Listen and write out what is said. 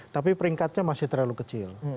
tapi peringkatnya masih terlalu kecil